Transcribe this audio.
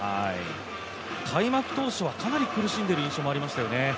開幕当初はかなり苦しんでる印象はありましたね。